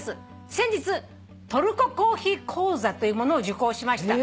「先日トルココーヒー講座というものを受講しました」